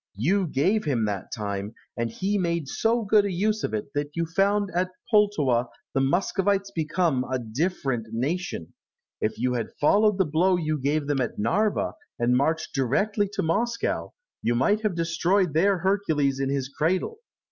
You gave him that time, and he made so good a use of it that you found at Pultowa the Muscovites become a different nation. If you had followed the blow you gave them at Narva, and marched directly to Moscow, you might have destroyed their Hercules in his cradle.